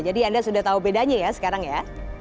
jadi anda sudah tahu bedanya ya sekarang ya